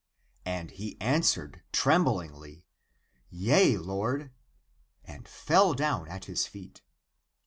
" And he answered tremblingly, " Yea, lord !" and fell down at his feet.